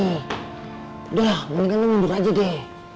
udah mendingan lo mundur aja deh